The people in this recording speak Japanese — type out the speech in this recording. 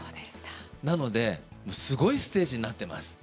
なので、すごいステージになっています。